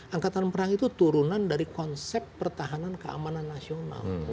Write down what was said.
angkatan perang itu turunan dari konsep pertahanan keamanan nasional